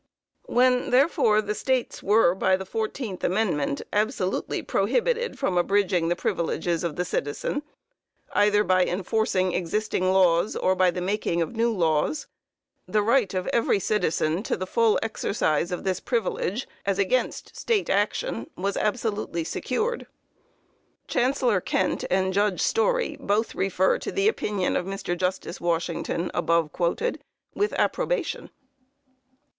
When, therefore, the States were, by the fourteenth amendment, absolutely prohibited from abridging the privileges of the citizen, either by enforcing existing laws, or by the making of new laws, the right of every "citizen" to the full exercise of this privilege, as against State action, was absolutely secured. Chancellor Kent and Judge Story both refer to the opinion of Mr. Justice Washington, above quoted, with approbation.